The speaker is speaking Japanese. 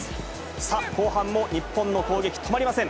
さあ、後半も日本の攻撃止まりません。